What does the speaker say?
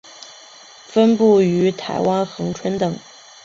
分布于台湾恒春等。